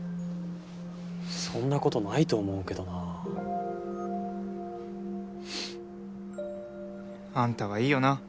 そんな事ないと思うけどなあ。あんたはいいよな。